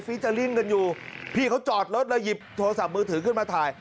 เจอร์ลิ่งกันอยู่พี่เขาจอดรถเลยหยิบโทรศัพท์มือถือขึ้นมาถ่าย